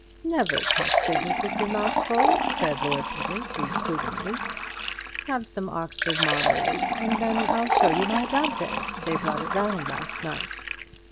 "Never talk business with your mouth full," said Lord Peter, reprovingly; "have some Oxford marmalade—and then I'll show you my Dante; they brought it round last night.